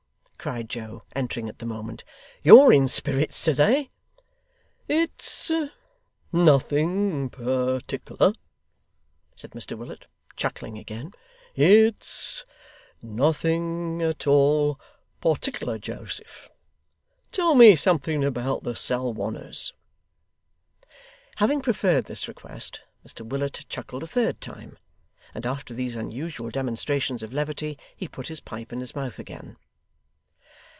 cried Joe, entering at the moment, 'you're in spirits to day!' 'It's nothing partickler,' said Mr Willet, chuckling again. 'It's nothing at all partickler, Joseph. Tell me something about the Salwanners.' Having preferred this request, Mr Willet chuckled a third time, and after these unusual demonstrations of levity, he put his pipe in his mouth again.